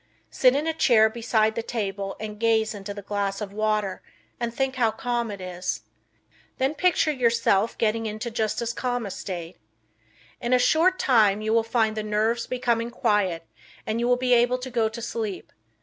Sit in a chair beside the table and gaze into the glass of water and think how calm it is. Then picture yourself , getting into just as calm a state. In a short time you will find the nerves becoming quiet and you will be able to go to sleep.